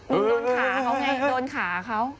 มันโดนขาเขาไงโดนขาเขา